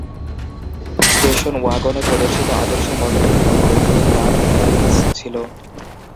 Station ওয়াগনে প্রদর্শিত আদর্শ মডেলের উপর বর্ধিত গ্রাউন্ড ক্লিয়ারেন্স ছিল।